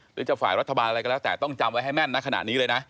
หรือจะฝ่ายรัฐบาลอะไรก็แล้วแต่ต้องจำไว้ให้แม่นนะขณะนี้เลยนะ